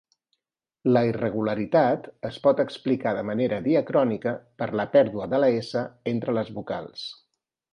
La irregularitat es pot explicar de manera diacrònica per la pèrdua de la "essa" entre les vocals.